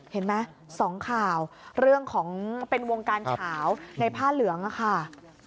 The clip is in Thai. เห็นไหมสองข่าวเรื่องของเป็นวงการขาวในผ้าเหลืองค่ะ